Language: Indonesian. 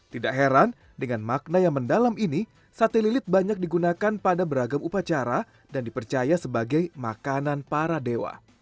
tidak heran dengan makna yang mendalam ini sate lilit banyak digunakan pada beragam upacara dan dipercaya sebagai makanan para dewa